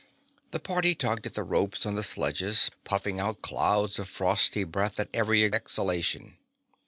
The party tugged at the ropes on the sledges, puffing out clouds of frosty breath at every exhalation.